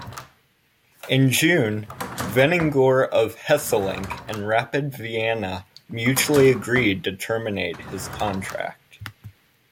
In June, Vennegoor of Hesselink and Rapid Vienna mutually agreed to terminate his contract.